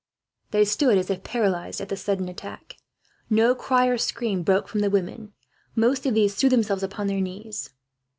They stood, as if paralysed, at this sudden attack. No cry or scream broke from the women. Most of these threw themselves upon their knees.